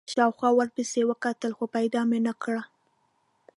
شاوخوا مې ورپسې وکتل، خو پیدا مې نه کړ.